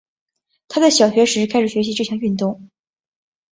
她在小学时开始学习这项运动。